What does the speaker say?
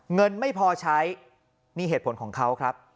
เงินไม่พอใช้นี่เหตุผลของเขาครับ